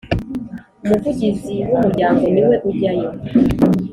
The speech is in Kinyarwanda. Umuvugizi wumuryango niwe ujyayo